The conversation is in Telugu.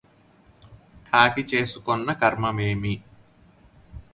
కాకి చేసుకొన్న కర్మమేమి